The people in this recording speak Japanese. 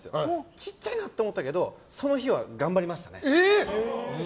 小さいなって思ったけどその日は頑張りましたね。